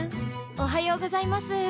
おはようございます。